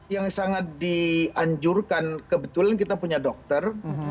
yang sangat dianjurkan kebetulan kita punya dokter